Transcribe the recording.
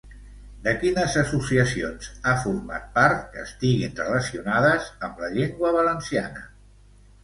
De quines associacions ha format part que estiguin relacionades amb la llengua valenciana?